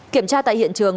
kiểm tra tại hiện trường